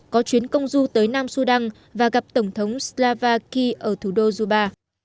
có chuyến công du tới nam sudan và gặp tổng thống slava ki ở thủ đô zuba